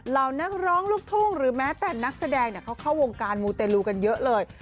เหล่านักร้องลูกทุ่งหรือแม้แต่นักแสดงเขาเข้าวงการมูเตลูกันเยอะเลย